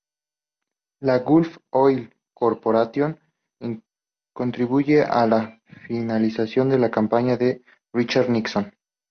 La Gulf Oil Corporation contribuye a la financiación de la campaña de Richard Nixon.